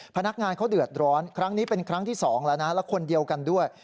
พนักงานเขาเดือดร้อนครั้งนี้เป็นครั้งที่๒แล้วนะและคนเดียวกันด้วย